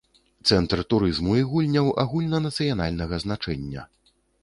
Цэнтр турызму і гульняў агульнанацыянальнага значэння.